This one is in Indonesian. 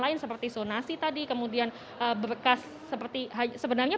lain seperti zonasi tadi kemudian berkas seperti sebenarnya